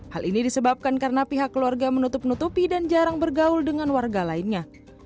hal ini disebabkan karena pihak keluarga menutup nutupi dan jarang bergaul dengan warga lainnya